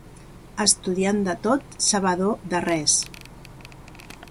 Estudiant de tot, sabedor de res.